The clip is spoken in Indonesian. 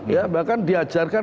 ya bahkan diajarkan